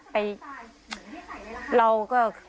ไปเราก็เห็น